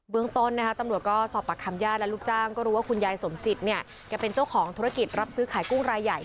เบื้องต้นตำรวจก็สอบปากคำญาค์และลูกต่างก็รู้ว่าคุณยายสมจิตเนี่ย